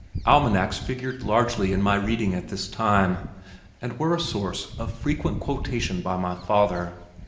Almanacs figured largely in my reading at this time, and were a source of frequent quotation by my father.